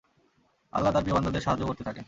আল্লাহ্ তাঁর প্রিয় বান্দাদের সাহায্য করতে থাকেন।